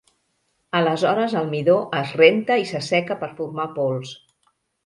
Aleshores el midó es renta i s'asseca per formar pols.